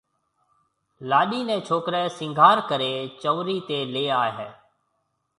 لاڏِي نيَ ڇوڪرَي سينگھار ڪريَ چنورِي تيَ ليَ آئيَ ھيََََ